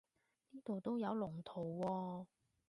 呢度都有龍圖喎